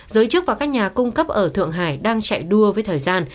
giới chức và các nhà cung cấp ở thượng hải đang chạy đua với thời gian